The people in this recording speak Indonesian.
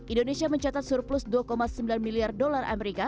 indonesia mencatat surplus dua sembilan miliar dolar amerika